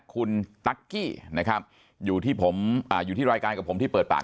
คุณตั๊กกี้นะครับอยู่ที่ผมอยู่ที่รายการกับผมที่เปิดปาก